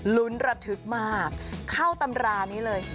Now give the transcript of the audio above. ลุ้นระทึกมากเข้าตำรานี้เลย